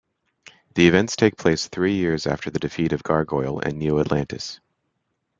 The events take place three years after the defeat of Gargoyle and Neo-Atlantis.